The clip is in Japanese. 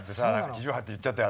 地上波って言っちゃったよ